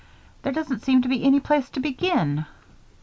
"There doesn't seem to be any place to begin."